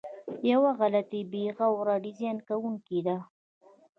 یوه غلطي د بې غوره ډیزاین کوونکو ده.